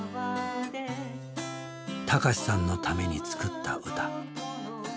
孝さんのために作った歌。